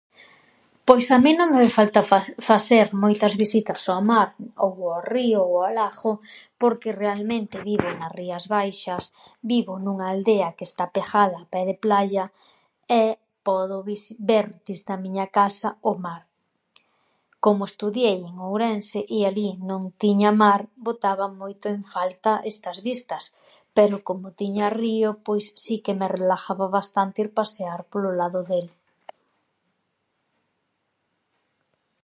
Pois a min non me falta fa- faser moitas visitas ao mar ou ao río ou ao lagho porque realmente vivo nas Rías Baixas, vivo nunha aldea que está peghada a pé de playa e podo visi- ver desde a miña casa o mar. Como estudiei en Ourense, e alí non tiña mar, botaba moito en falta estas vistas, pero como tiña río, pois si que me relajaba bastante ir pasear polo lado del.